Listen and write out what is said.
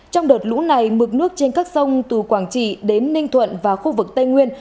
trong đợt lũ này mực nước trên các sông từ quảng trị đến ninh thuận và khu vực tây nguyên